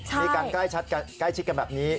มีการใกล้ชิดกันแบบนี้